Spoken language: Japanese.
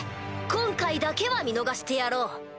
今回だけは見逃してやろう。